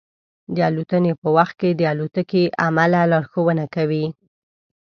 د الوتنې په وخت کې د الوتکې عمله لارښوونه کوي.